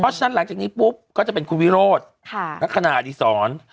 เพราะฉะนั้นหลังจากนี้พูดก็จะเป็นคุณวิโรธค่ะรักษณะอาทิสร